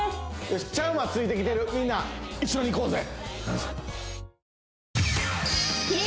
よしチャンはついてきてるみんな一緒にいこうぜ！